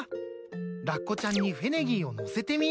ラッコちゃんにフェネギーをのせてみよう。